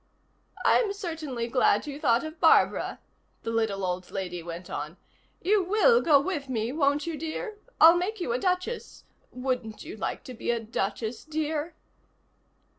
_ "I'm certainly glad you thought of Barbara," the little old lady went on. "You will go with me, won't you, dear? I'll make you a duchess. Wouldn't you like to be a duchess, dear?"